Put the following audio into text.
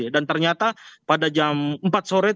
dan ternyata pada jam empat sore